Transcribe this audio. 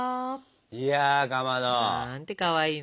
いやかまど。なんてかわいいの。